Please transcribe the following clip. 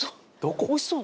おいしそう。